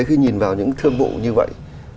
khi nhìn vào những thương vụ như vậy